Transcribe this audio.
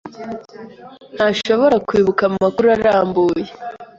ntashobora kwibuka amakuru arambuye.